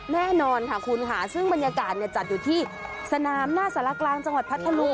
แน่นอนค่ะคุณค่ะซึ่งบรรยากาศจัดอยู่ที่สนามหน้าสารกลางจังหวัดพัทธลุง